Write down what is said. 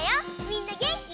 みんなげんき？